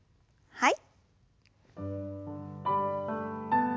はい。